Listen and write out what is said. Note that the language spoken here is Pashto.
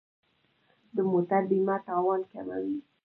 د موټر بیمه تاوان کموي.